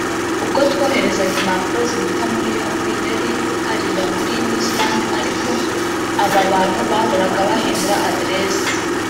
“Ubwo twoherezaga impapuro zimuta muri yombi yari hariya (Muri New Zealand) ariko aba bantu bahora bahindura aderese“